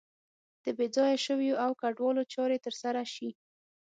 د بې ځایه شویو او کډوالو چارې تر سره شي.